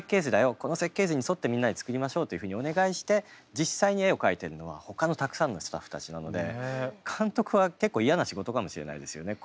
この設計図に沿ってみんなで作りましょうというふうにお願いして実際に絵を描いてるのはほかのたくさんのスタッフたちなので監督は結構嫌な仕事かもしれないですよね。